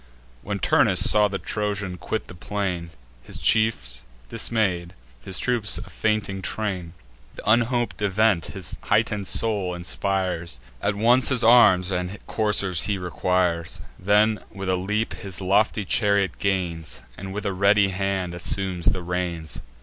When Turnus saw the Trojan quit the plain, His chiefs dismay'd, his troops a fainting train, Th' unhop'd event his heighten'd soul inspires: At once his arms and coursers he requires; Then, with a leap, his lofty chariot gains, And with a ready hand assumes the reins.